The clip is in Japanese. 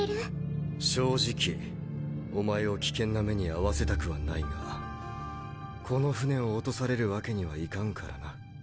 正直お前を危険な目に遭わせたくはないがこの船を落とされるわけにはいかんからな。